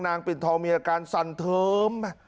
ปิ่นทองมีอาการสั่นเทิม